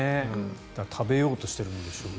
食べようとしているんでしょう。